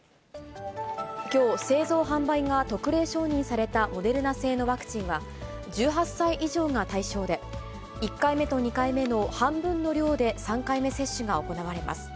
きょう、製造・販売が特例承認されたモデルナ製のワクチンは、１８歳以上が対象で、１回目と２回目の半分の量で３回目接種が行われます。